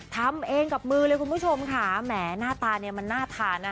ทำเองกับมือเลยคุณผู้ชมค่ะแหมหน้าตาเนี่ยมันน่าทานนะ